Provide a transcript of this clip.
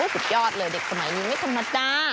สุดยอดเลยเด็กสมัยนี้ไม่ธรรมดา